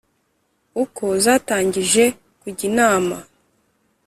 Uko zatangije kujya inama